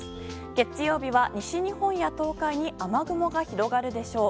月曜日は西日本や東海に雨雲が広がるでしょう。